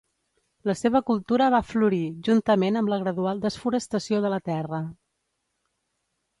La seva cultura va florir, juntament amb la gradual desforestació de la terra.